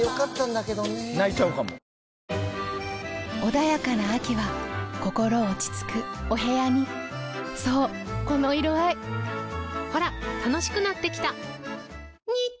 穏やかな秋は心落ち着くお部屋にそうこの色合いほら楽しくなってきた！